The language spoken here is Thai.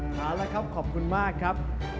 เอาละครับขอบคุณมากครับ